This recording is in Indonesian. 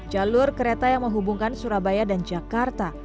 jalur kereta yang menghubungkan surabaya dan jakarta